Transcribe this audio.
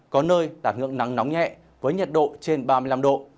có nơi đạt ngưỡng nắng nóng nhẹ với nhiệt độ trên ba mươi năm độ